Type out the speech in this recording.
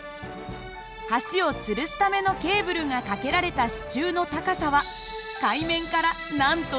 橋をつるすためのケーブルが架けられた支柱の高さは海面からなんと３００ｍ。